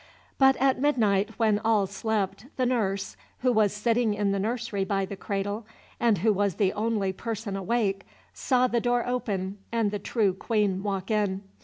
But at midnight, when all slept, the nurse, who was sitting in the nursery by the cradle, and who was the only person awake, saw the door open and the true Queen walk in.